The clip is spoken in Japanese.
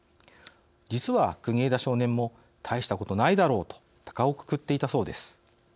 実は国枝少年も大したことないだろうとたかをくくっていたそうです。